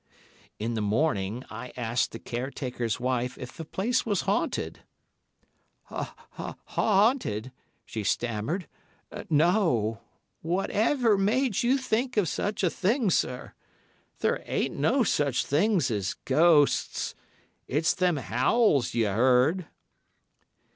"In the morning I asked the caretaker's wife if the place was haunted. "'Haunted,' she stammered. 'No. Whatever made you think of such a thing, sir! There ain't no such things as ghosts. It's them howls you 'eard.